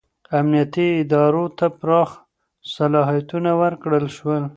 امنیتي ادارو ته پراخ صلاحیتونه ورکړل شول.